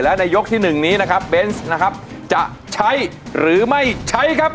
และในยก๑นี้นะครับเบ้นท์จะใช้หรือไม่ใช้ครับ